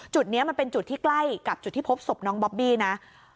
จุดนี้มันเป็นจุดที่ใกล้กับจุดที่พบศพน้องบอบบี้นะ